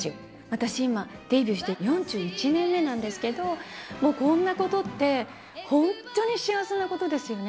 私、今、デビューして４１年目なんですけど、もうこんなことって、本当に幸せなことですよね。